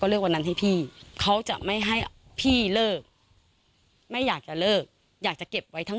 ก็เลือกวันนั้นให้พี่เขาจะไม่ให้พี่เลิกไม่อยากจะเลิกอยาก